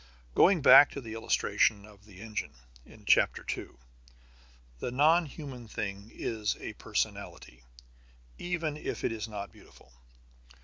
Going back to the illustration of the engine, in chapter two, the non human thing is a personality, even if it is not beautiful.